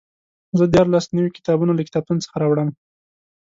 زه دیارلس نوي کتابونه له کتابتون څخه راوړم.